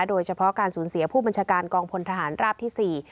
โดยเฉพาะการสูญเสียผู้บัญชาการกองพลทหารราบที่๔